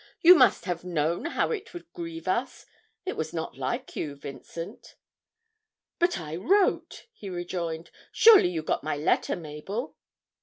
You must have known how it would grieve us; it was not like you, Vincent.' 'But I wrote,' he rejoined; 'surely you got my letter, Mabel?'